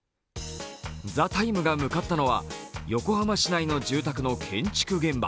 「ＴＨＥＴＩＭＥ，」が向かったのは横浜市内の住宅の建築現場。